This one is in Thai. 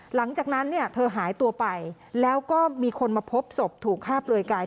หลังจากนั้นเนี่ยเธอหายตัวไปแล้วก็มีคนมาพบศพถูกฆ่าเปลือยกาย